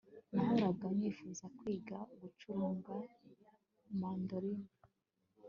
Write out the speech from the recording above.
Nahoraga nifuza kwiga gucuranga mandoline